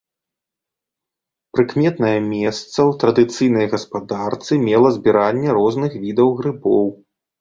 Прыкметнае месца ў традыцыйнай гаспадарцы мела збіранне розных відаў грыбоў.